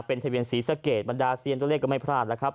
เป็นทะเบียนศรีสะเกดบรรดาเซียนตัวเลขก็ไม่พลาดแล้วครับ